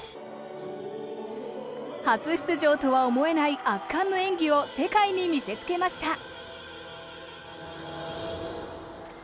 初出場とは思えない圧巻の演技を世界に見せつけました。